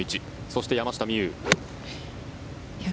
そして、山下美夢有。